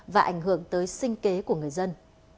và ảnh hưởng tới sinh kế của người dân